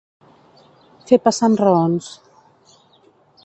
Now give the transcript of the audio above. Fer passar amb raons.